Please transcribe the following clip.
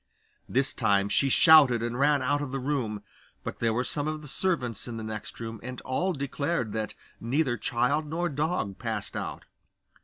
This time she shouted and ran out of the room, but there were some of the servants in the next room, and all declared that neither child nor dog passed out.